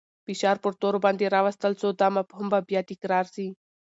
فشار پر تورو باندې راوستل سو. دا مفهوم به بیا تکرار سي.